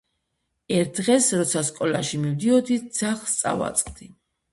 ერთ დღეს როცა სკოლაში მივდიოდი, ძაღლს წავაწყდი